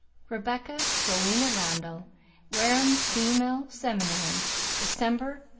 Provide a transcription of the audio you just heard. Rebecca Rowena Randall. Wareham Female Seminary, December 187